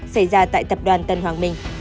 xảy ra tại tập đoàn tân hoàng minh